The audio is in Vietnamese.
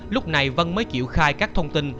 lúc này vân mới chịu khai các thông tin